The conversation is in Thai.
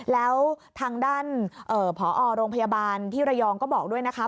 แล้วทางด้านผอโรงพยาบาลที่ระยองก็บอกด้วยนะคะ